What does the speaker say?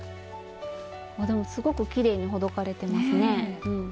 あでもすごくきれいにほどかれてますね。